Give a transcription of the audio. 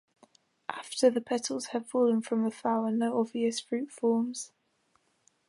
After the petals have fallen from a flower no obvious fruit forms.